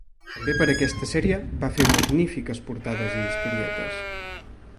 També per aquesta sèrie va fer magnífiques portades i historietes.